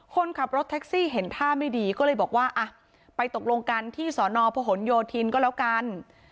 คนขับรถแท็กซี่เห็นท่าไม่ดีก็เลยบอกว่าอ่ะไปตกลงกันที่สอนอพหนโยธินก็แล้วกัน